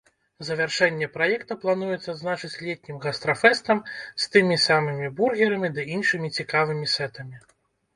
Завяршэнне праекта плануюць адзначыць летнім гастрафэстам з тымі самымі бургерамі ды іншымі цікавымі сэтамі.